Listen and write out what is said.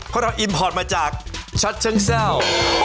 เพราะเราอิมพอร์ตมาจากชัดเชิงเศร้า